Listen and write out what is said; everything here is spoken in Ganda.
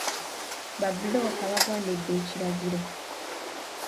Babbulooka baagondedde ekiragiro.